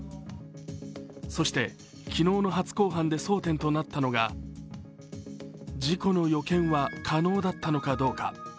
そして、昨日の初公判で争点となったのが事故の予見は可能だったのかどうか。